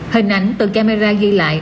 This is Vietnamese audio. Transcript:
hình ảnh từ camera ghi lại